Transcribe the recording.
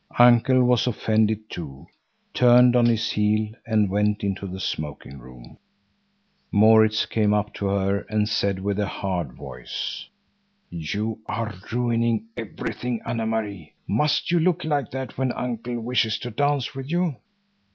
Uncle was offended too, turned on his heel and went into the smoking room. Maurits came up to her and said with a hard, hard voice:— "You are ruining everything, Anne Marie. Must you look like that when Uncle wishes to dance with you?